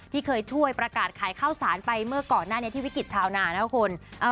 ที่เคยช่วยประกาศขายข้าวสารไปเมื่อก่อนหน้านี้ที่วิกฤตชาวนานะคุณ